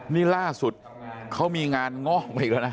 นี่ล่าสุดเขามีงานงอกไปอีกแล้วนะ